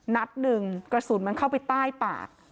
นัดหนึ่งกระสุนมันเข้าไปใต้ปาก